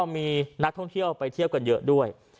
มีนักท่องเที่ยวไปเที่ยวกันเยอะด้วย